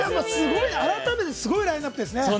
改めてすごいラインナップですね。